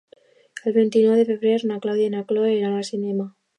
El vint-i-nou de febrer na Clàudia i na Cloè iran al cinema.